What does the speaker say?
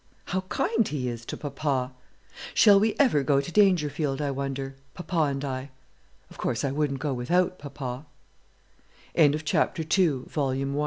How kind he is to papa! Shall we ever go to Dangerfield, I wonder, papa and I? Of course I wouldn't go without papa." CHAPTER III. ABOUT THE LINCOLNS